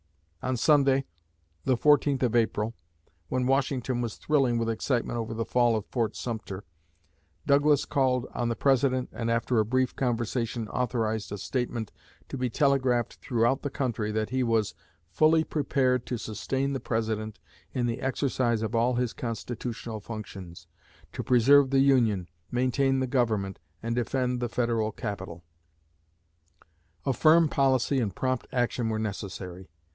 On Sunday, the 14th of April, when Washington was thrilling with excitement over the fall of Fort Sumter, Douglas called on the President and after a brief conversation authorized a statement to be telegraphed throughout the country that he was "fully prepared to sustain the President in the exercise of all his Constitutional functions, to preserve the Union, maintain the Government, and defend the Federal capital. A firm policy and prompt action were necessary.